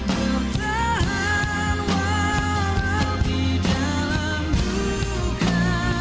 bertahan walau di dalam duka